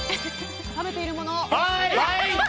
食べているもの。